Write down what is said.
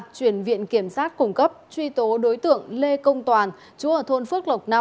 chuyển viện kiểm sát cung cấp truy tố đối tượng lê công toàn chú ở thôn phước lộc năm